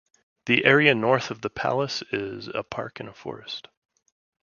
The area north of the palace is a park and forest.